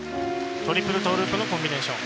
トリプルトーループのコンビネーション。